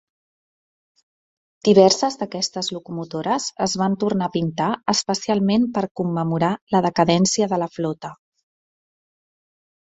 Diverses d'aquestes locomotores es van tornar a pintar especialment per commemorar la decadència de la flota.